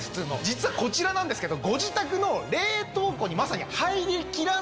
実はこちらなんですけど。